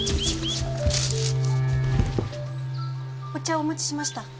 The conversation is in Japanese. お茶をお持ちしました。